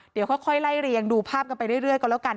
เดี๋ยวค่อยไล่เรียงดูภาพกันไปเรื่อยก่อนแล้วกัน